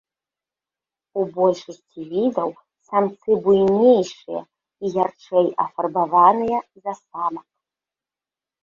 У большасці відаў самцы буйнейшыя і ярчэй афарбаваныя за самак.